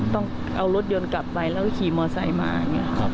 ต้องเอารถยนต์กลับไปแล้วก็ขี่มอไซค์มาอย่างนี้ครับ